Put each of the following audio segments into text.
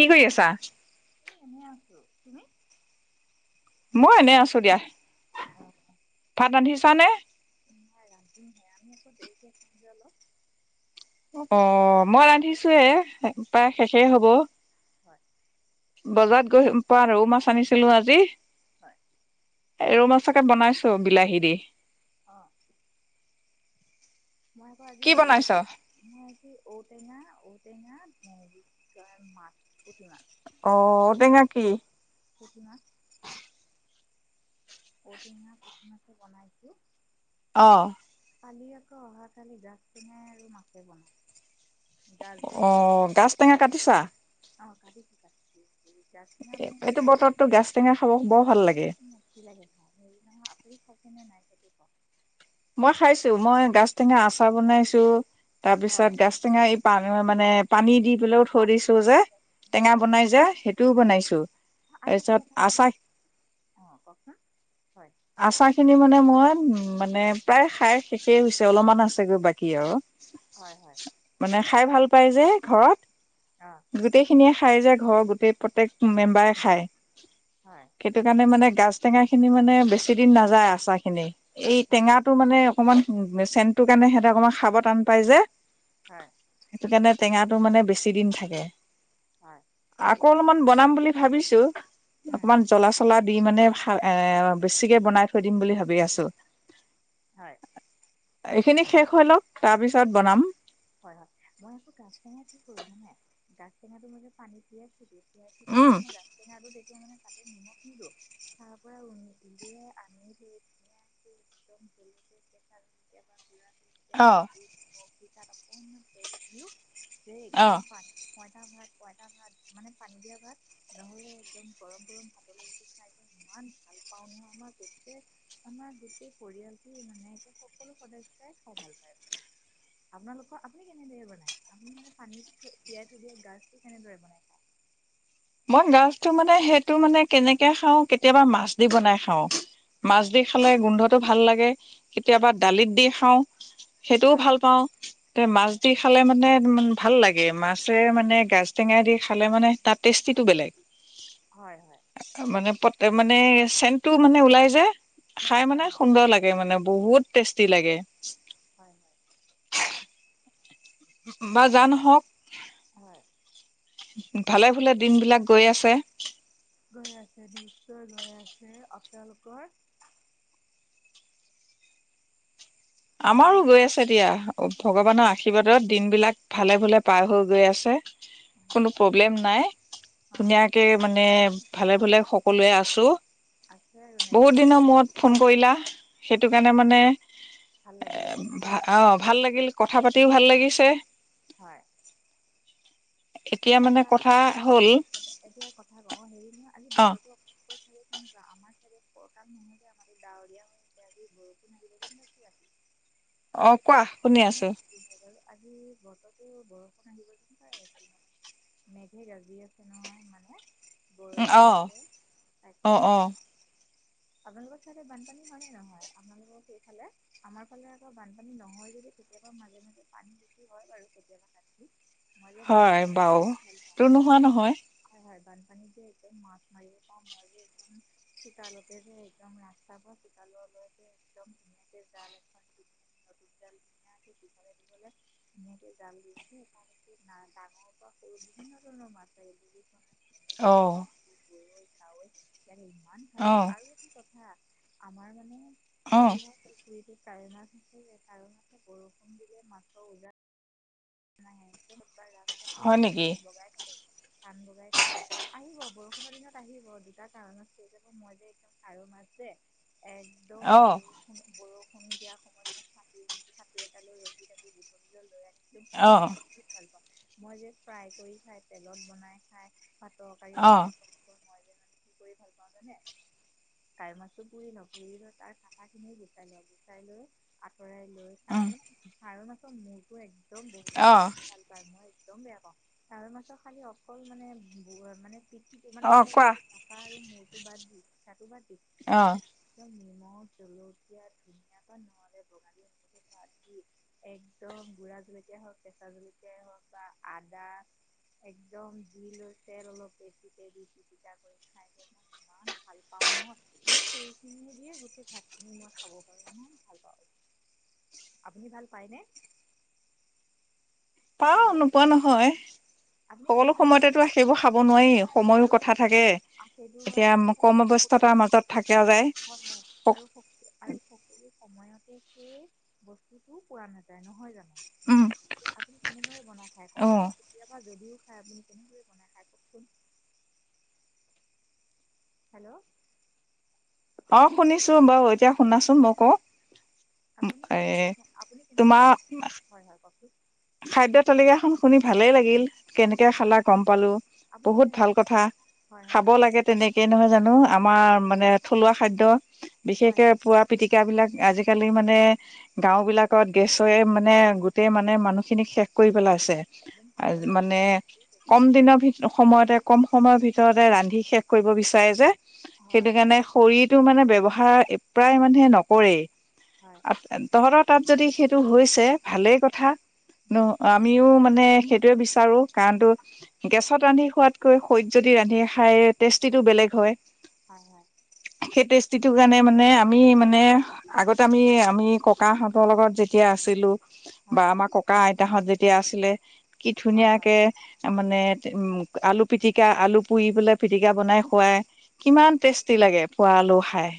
কি কৰি আছা? এ এনেই আছো তুমি? মই এনেই আছো দিয়া ভাত ৰান্ধিছা নে? নাই ৰান্ধিম হে আমি আকৌ দেৰিকে খাওঁ যে অলপ অ মই ৰান্ধিছো হে প্ৰায় শেষে হব। হয় বজাৰত গৈ পা ৰৌ মাছ আনিছিলো আজি। হয় ৰৌ মাছকে বনাইছো বিলাহী দি। অ মই আকৌ আজি কি হেৰি বনাইছ? দিলো মই আজি ঔটেঙা ঔটেঙা কি কয় মাছ পুঠি মাছ। অ ঔটেঙা কি? পুঠি মাছ ঔটেঙা পুঠি মাছে বনাইছো অ কালি আকৌ অহাকালি গাঁজ টেঙাই আৰু মাছে বনাম গাঁজ যে অ' গাজ টেঙা কাটিছা? বাঁহৰগাঁজ অ কাটিছো কালি এ এইটো বতৰটো গাঁজ টেঙা খাব বৰ ভাল লাগে। তেনেকে খাও হেৰি নহয় আপুনি খাইছে নে নাই সেইটো কওঁক? মই খাইছো মই গাঁজ টেঙা আচাৰ বনাইছো তাৰপিছত হয় গাঁজ টেঙা এই পান মানে পানী দি পেলাইও থৈ দিছো যে টেঙা হয় বনাই হয় যে সেইটোও বনাইছো। তাৰপিছত আচাৰ অঁ কওকচোন হয়। আচাৰ খিনি মানে মই মানে প্ৰায় খাই শেষেই হৈছে অলপমান আছেগৈ বাকী আৰু হয় হয়। মানে খাই ভাল পায় যে ঘৰত। অ। গোটেইখিনিয়ে খাই যে ঘৰৰ গোটেই প্ৰত্যেক মেম্বাৰে খায়। হয় সেইটো কাৰণে মানে গাঁজ টেঙা খিনি মানে বেছি দিন নাযায় আচাৰ খিনি এই হয় টেঙাটো মানে অকণমান উম চেণ্টোৰ কাৰণে সিহঁতে অকণমান খাব টান পাই যে হয়! সেইকাৰণে, টেঙাটো মানে, বেছি দিন থাকে। [unintelligible] আকৌ অলপমান বনাম বুলি ভাবিছোঁ! হয় অকমান জ্বলা [unintelligible] দি মানে, [unintelligible] এ, বেছিকে বনাই থৈ দিম, বুলি ভাবি আছোঁ! হয়! এইখিনি শেষ হৈ লওঁক, তাৰপিছত বনাম। হয়, হয়! মই আকৌ, গাঁজ টেঙা কি কৰোঁ জানে! গাঁজ টেঙাটো মই যে, পানীত তিয়াই থৈ দিওঁ। উম [unintelligible] গাঁজ টেঙা আৰু [unintelligible] মানে, এই নিমখ নিদোঁ। তাৰপৰা উ, উলিয়াই আনি থৈ [unintelligible] অ [unintelligible] অকমান তেল দিওঁ, সেই অ একদম পান পইতা ভাত-পইতা ভাত। মানে, পানী দিয়া ভাত। নহ'লে একদম গৰম-গৰম ভাতৰ লগত খাই মই, ইমান ভাল পাওঁ নহয়! আমাৰ গোটেই আমাৰ গোটেই পৰিয়ালটোৱে মানে, একে সকলো সদস্যই খাই ভাল পায়। আপোনালোক আপুনি কেনেদৰে বনাই? আপুনি মানে, পানীত থৈ, তিয়াই থৈ দিয়া গাঁজটো, কেনেদৰে বনাই খায়? মই গাঁজটো মানে, সেইটো মানে, কেনেকে খাওঁ! কেতিয়াবা, মাছ দি বনাই খাওঁ। মাছ হয় দি খালে, গোন্ধটো ভাল লাগে। কেতিয়াবা, হয় দালিত দি খাওঁ, সেইটোও হয় ভাল পাওঁ! তে মাছ হয় দি। খালে মানে, ভাল লাগে, মাছে মানে, গাঁজ টেঙা দি খালে মানে, তাত টেষ্টিটো বেলেগ। হয়, হয়। মানে, [unintelligible] মানে, চেন্টটো মানে, ওলাই যাই, খাই মানে হয় সুন্দৰ লাগ লাগে মানে, বহুত টেষ্টি লাগে! হয়, হয়। বা যা নহওঁক হয়! ভালে-ভালে দিন বিলাক গৈ আছে। গৈ আছে, নিশ্চয় গৈ আছে, আপোনালোকৰ। আমাৰো গৈ আপোনালোকৰ আছে, দিয়া। ভগৱানৰ আশীৰ্বাদত, দিনবিলাক ভালে-ভালে পাৰ হৈ, গৈ আছে। কোনো হয় প্ৰব্লেম নাই। অঁ ধুনীয়াকে আপুনি মানে, হয় ভালে-ভালে হয় সকলোৱে আছোঁ। আছে আৰু বহুত নেদেখাকৈ দিনৰ ভাল মূৰত ফোন কৰিলা! সেইটো কাৰণে মানে, ভাল লাগিলে! নহয় ভা জানো অঁ অ'! ভাল লাগিল, কথা পাতিও ভাল লাগিছে। হয়! মানে এতিয়া, কথা হ'ল এতিয়া কথা কওঁ, সেৰি নহয়, আজি অ বতৰটো সেই তেনেকুৱা। আমাৰ চাইডে ফৰকাল নহয় যে, আমাৰতো ডাৱৰীয়া হৈছে। সেই আজি বৰষুণ আহিব যেন পাইছোঁ, ৰাতি। অ'! কোৱা? শুনি আছোঁ। [unintelligible] আজি বতৰতো বৰষুণ আহিব যেন পায় আছোঁ, মই! মেঘে গাজি আছে নহয়। মানে? গৰজী অ আছে। অ তাকেই! অ আপোনালোকৰ চাইডে, বানপানী হয়নে নহয়? আপোনালোকৰ সেইফালে? আমাৰ ফালে, আকৌ বানপানী নহয় যদি, কেতিয়াবা মাজে-মাজে পানী বেছি হয় বাৰু কেতিয়াবা কাৎচিৎ। মই যে হয় বানপানী বাৰু খুব ভাল পাও। তোৰ নোহোৱা নহয় হয়, হয়, বানপানী যে একদম মাছ মাৰিব মই যে একদম চোতালত যে একদম ৰাস্তা পৰা চোতালৰ লৈকে একদম ধুনীয়াকে জাল এখন দি নতুন জাল ধুনীয়াকে দীঘলে-দীঘলে ধুনীয়াকে জাল দিওতে ডাঙৰ পৰা সৰু বিভিন্ন ধৰণৰ মাছ আহিল অ গৰৈ, কাৱৈ এইবিলাক ইমান অ খালে আৰু এইটো কথা আমাৰ মানে অ কি হয় পুখুৰীটোত কাৱৈ মাছ আছে যে কাৱৈ মাছে বৰষুণ দিলে মাছৰ উজান নাই সেইটো ৰাস্তাদিগি হয় পিক নেকি পিক বগাই থাকে। কাণ বজাই থাকে, আহিব বৰষুণৰ দিনত আহিব দুটা কাৰণত হৈ যাব মই যে একদম কাৱৈ মাছ যে একদম অ বৰ বৰষুণ দিয়া সময়ত মই ছাকি ছাতি এটা লৈ ৰখি থাকো গুটলি ডাল লৈ আহি পুৰি অ খাই বহুত ভাল পাওঁ, মই যে ফ্ৰাই কৰি খাই, তেলত বনাই খাই বা তৰকাৰী অ বনাই মই যে মানে কি কৰি ভাল পাওঁ জানে? কাৱৈ মাছটো পুৰি লও পুৰি লৈ তাৰ কাটা খিনিও গুচাই লও গুচাই লৈ আঁতৰাই লৈ উম তাৰ কাৱৈ মাছৰ মূৰটো একদম বহুতেই অ কয় ভাল পায়, মই একদম বেয়া পাওঁ কাৱৈ মাছৰ খালি অকল মানে মানে পি কিন্তু মানে অ ধৰ কোৱা কাটা আৰু মূৰটো বাদ দি গাটো বাদ দি অ সেইখি একদম নিমখ জলকীয়া ধুনীয়াপাত নহলে বঙালী পাত দি একদম গুৰা জলকীয়া হওক বা কেঁচা জলকীয়াই হওক বা আদা একদম দি লৈ তেল অলপ বেছিকে দি পিটিকা কৰি খাই যে মোক ইমান ভাল পাওঁ নহয় মোৰ চৰুখিনিয়ে দিয়ে গোটেই ভাত খিনি মই খাব পাৰো ইমান ভাল পাওঁ। আপুনি ভাল পায়নে? পাওঁ হেল্ল' নোপোৱা নহয় আপুনি সকলো কেনেদৰে সময়তেতো খায় সেইবোৰ খাব নোৱাৰি। সময়ো আৰু কথা স- থাকে আ, সেইটো হয় এতিয়া আৰু সক- সকলো কৰ্মব্যস্ততাৰ মাজত থাকা যায়। হয় হয় আৰু স আৰু সকলো সময়তে সেই বস্তুটো পোৱা নাযায়। নহয় জানো উম তে‌ আপুনি কেনেদৰে বনাই খাই অ কওকচোন কেতিয়াবা যদিও খায় আপুনি কেনেদৰে বনাই খাই কওকচোন? হেল্ল অহ শুনিছো বাৰু এতিয়া শুনাচোন মই কও আপুনি কেনেদৰে ব আপুনি কেনেদৰে তোমাৰ বনাই হয় হয় কওকচোন খাদ্য তালিকাখন শুনি ভালেই লাগিল। কেনেকে হয়, খালা গম পালো আপুনি বহুত কেনেদৰে ভাল কথা হয় হয় খাব লাগে আপুনি তেনে কেই নহয় জানো আমাৰ মানে থলুৱা খাদ্য হয় বিশেষকে পোৱাত পিতিকা বিলাক আজিকালি মানে গাও বিলাকত গেছৰে মানে গোটেই মানে মানুহ খিনিক শেষ কৰি পেলাই একদম আছে পাগল মানে কম দিনৰ ভি সময়তে কম সময়ৰ ভিতৰতে ৰান্ধি শেষ কৰিব বিচাৰে যে হয় সেইটো কাৰণে খৰিটো মানে ব্যৱহাৰ প্ৰায় মানুহে নকৰেই। হয় তহঁতৰ তাত যদি সেইটো হৈছে ভালেই কথা ন অ আমিও মানে সেইটোয়ে বিচাৰো কাৰণটো গেছত ৰান্ধি খোৱাতকৈ খৰিত যদি ৰান্ধি খাই টেষ্টিটো বেলেগ হয়। হয়, হয়। সেই টেষ্টিটোৰ কাৰণে মানে, আমি মানে আগতে আমি, আমি ককাহঁতৰ লগত যেতিয়া আছিলোঁ। হয়, হয়। ককা-আইতাহঁত যেতিয়া আছিলে, কি হয় হয় ধুনীয়াকে তাৰমানে, উম, আলু-পিতিকা, আলু পুৰি পেলাই পিটিকা বনাই খুৱাই, কিমান টেষ্টি লাগে, পুৰা আলু খাই।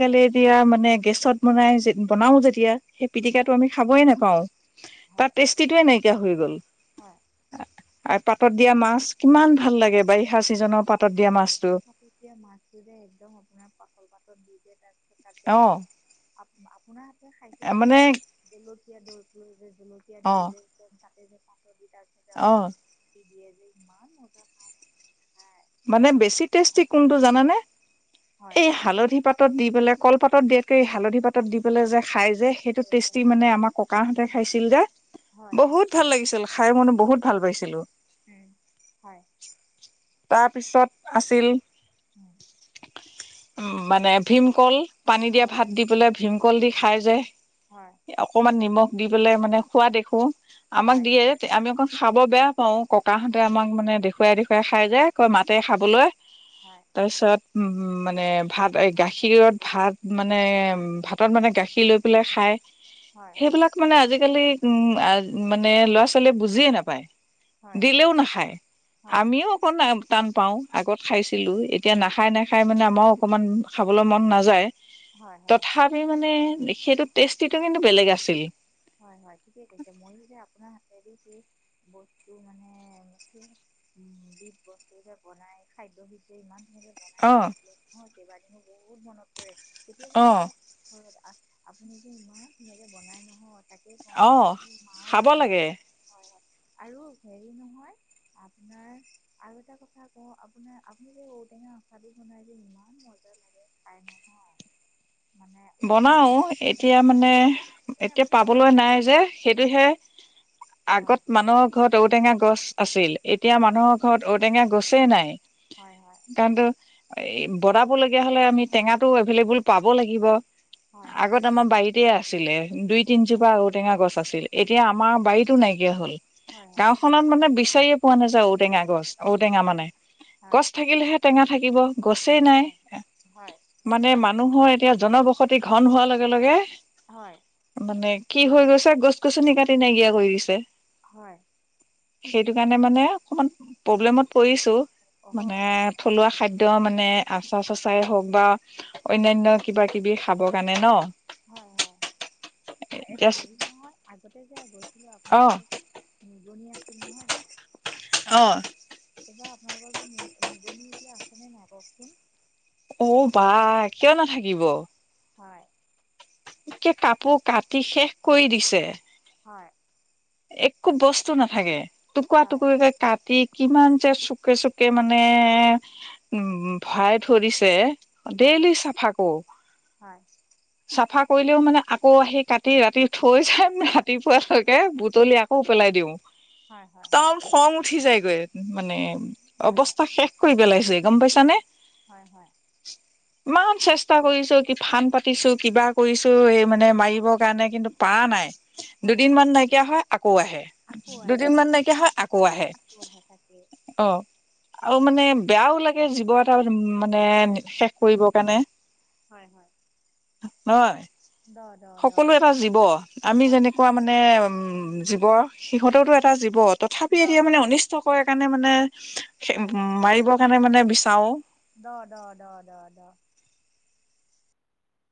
হয় এতিয়া মানে, গেছত বনাই, বনাও যেতিয়া, সেই পিটিকাটো আমি খাবয় নাপাওঁ। হয় তাৰ হয় টেষ্টিটোৱে, নাইকিয়া হৈ গ'ল। হয়। পাতত দিয়া মাছ, কিমান ভাল লাগে, বাৰিষা চিজনৰ পাতত দিয়া মাছটো। পাতত দিয়া মাছ। যে একদম, আপোনাৰ পাতল, পাতত দি যে তাত তাতে অ অকণ, আপোনাৰ হাতে খাই কিন্ত মানে দেই, জলকীয়া দৰটো লৈ যে জল এতিয়া অ দি যে, তাতে যে পাত দি, তাৰপিছতে অ আপুনি দিয়ে যে ইমান মজা খায় মানে বেছি টেষ্টি কোনটো আচৰিত জানানে, হয় এই কওকচোন হালধি পাতত দি পেলাই, কল পাতত দিয়াতকে এই হালধি পাতত ভাল দি পেলাই যে, খাই যে, লাগিব সেইটো হয় টেষ্টি এইটো মানে, আমাৰ ককাহঁতে বহুত খাইছিল যে, বহুত হয় বহুত ভাল লাগিছিল, খাই মানে বহুত ভাল পাইছিলোঁ। এ, হয়। তাৰপিছত, আছিল উম। উম, মানে ভীমকল, পানী দিয়া হয় ভাত দি পেলাই, ভীমকল দি খাই যে। হয়। অকমান নিমখ দি পেলাই মানে খোৱা দেখোঁ, আমাক হয় দিয়ে, আমি আকৌ খাব বেয়া পাওঁ, ককাহঁতে হয় আমাক মানে দেখুৱাই, দেখুৱাই খায় যে, আকৌ মাতে খাবলৈ, হয় তাৰপিছত উম, মানে, ভাত এই গাখীৰত ভাত মানে, ভাতত মানে গাখীৰ লৈ পেলাই খায়। হয় সেইবিলাক মানে, আজিকালি মানে ল'ৰা-ছোৱালীয়ে বুজিয়ে নাপায়। হয় দিলেও নাখায়, হয় আমিও অকণ টান পাওঁ, আগত খাইছিলোঁ, এতিয়া নাখায়, নাখায় মানে আমাৰো অকমান খাবলে ম'ন নাযায়। হয় হয় তথাপিও মানে, সেইটো টেষ্টটি কিন্তু, বেলেগ আছিল। হয়, হয়, ঠিকে কৈছে, মইয়ো যে, আপোনাৰ হাতেদি কি বস্তু মানে [unintelligible] বস্তু যে বনাই খাদ্য যে ইমান ধুনীয়াকে বনাই অ খুৱাইছিলে নহয়, কেবাদিনো বহুত মনত পৰে, কেতিয়াবা অ আকৌ ঘৰত, আপুনি যে ইমান ধুনীয়াকে বনাই নহয়। অ', কওঁ, মোৰ মাও খাব কয়, লাগে হয়, হয় আৰু, হেৰি নহয় আপোনাৰ আৰু এটা কথা কওঁ, আপোনাৰ আপুনি যে, ঔটেঙা আচাৰ বনাই যে, ইমান মজা লাগে খাই নহয়। মানে ঔটেঙা বনাওঁ হয় এতিয়া হয় মানে, এইবাৰ পঠাইছেনে এতিয়া আপুনি পাবলৈ নাই যে। সেইটোহে, হয় আগত মানুহৰ ঘৰত ঔটেঙা গছ আছিল, এতিয়া মানুহৰ ঘৰত, ঔটেঙা গছে নাই। হয়, হয়। সেইকাৰণেটো, বনাব লগীয়া হ'লে, আমি টেঙাটো এভেলেভোল পাব লাগিব। হয় হয় আগত আমাৰ বাৰীতে আছিলে। দুই, তিনজোপা ঔটেঙা গছ আছিল, এতিয়া আমাৰ বাৰীতো নাইকিয়া হ'ল, হয় হয় হয় গাঁওখনত মানে, বিচাৰিয়ে পোৱা নাযায় ঔটেঙা গছ। ঔটেঙা মানে, হয় গছ থাকিলেহে টেঙা থাকিব, গছে হয় নাই। হয় মানে মানুহৰ এতিয়া জনবসতি ঘ'ন হোৱা লগে লগে হয়। মানে কি হৈ গৈছে গছ, গছনি কাটি নাইকিয়া কৰি দিছে। হয়। সেইটো কাৰণে মানে অকমান প্ৰব্লেমত পৰিছো, মানে হয় থলুৱা খাদ্য মানে আচাৰ চাচাৰে হওক বা অন্যান্য কিবা কিবি খাব কাৰণে ন। হয় হয়, এ এতিয়া ধৰি নহয় আগতে যে গৈছিলোঁ আপোনালোকৰ অ নিগনি আছিল নহয় জানো। অ'। এইবাৰ আপোনালোকৰ ঘৰত নি-নিগনি এতিয়া আছে নে নাই কওক চোন। অঔ বা কিয় নাথাকিব। হয়। একে কাপোৰ কাটি শেষ কৰি দিছে। হয়। একো বস্তু নাথাকে টুকুৰা হয় টুকুৰকৈ কাটি কিমান যে চুকে চুকে মানে উম ভৰাই থৈ দিছে হয় ডেইলী চাফা কৰোঁ। হয় চাফা কৰিলেও মানে আকৌ আহি কাটি ৰাতি থৈ যাই মনে ৰাতিপুৱা লৈকে বু বুটলি আকৌ পেলাই দিওঁ। হয় হয়। [unintelligible] খং উঠি যায়গৈ মানে হয় হয় অৱস্থা শেষ কৰি পেলাইছে গম পাইছানে হয় হয় [unintelligible] ইমান চেষ্টা কৰিছো কি ফান পাতিছো কিবা কৰিছো এই মানে মাৰিবৰ কাৰণে কিন্তু পাৰা নাই হয় দুদিন হয় মান নাইকিয়া হয় আকৌ আহে আকৌ আহে দুদিন মান নাইকিয়া হয় আকৌ আহে আহে তাকেই অ আও মানে বেয়াও লাগে জীৱ এটা মানে শেষ কৰিবৰ কাৰণে হয় হয় নহয় দহ দহ সকলোৱে এটা জীৱ আমি যেনেক কোৱা মানে জীৱ সিহঁতেওতো এটা জীৱ তথাপিও দ এতিয়া দ মানে অনিষ্ অনিষ্ট কৰে কাৰণে মানে হয় উম মাৰিবৰ কাৰণে মানে বিচাৰো ড ড ড ড ড